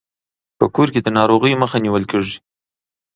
په کور کې د ناروغیو مخه نیول کیږي.